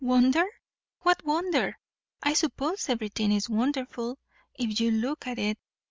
"Wonder! what wonder? I suppose everything is wonderful, if you look at it.